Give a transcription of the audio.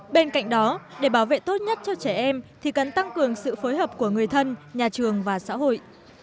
bên cạnh đó để bảo vệ tốt nhất cho trẻ em thì cần tăng cường sự phối hợp của người thân nhà trường và xã hội